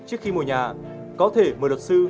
trước khi mua nhà có thể mời luật sư